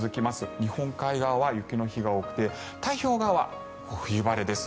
日本海側は雪の日が多くて太平洋側は冬晴れです。